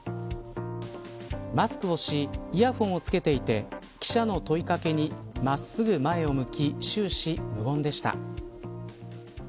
マスクをしイヤホンをつけていて記者の問いかけに真っすぐ前を向き終始無言でした。